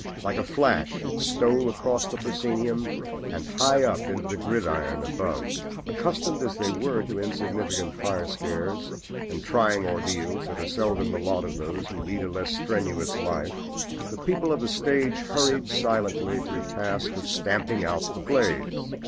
Like a flash it stole across the proscenium and high up into the gridiron above. Accustomed as they were to insignificant fire scares and trying ordeals that are seldom the lot of those who lead a less strenuous life, the people of the stage hurried silently to the task of stamping out the blaze.